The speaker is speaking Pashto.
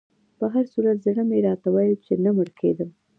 په هر صورت زړه مې راته ویل چې نه مړ کېدم.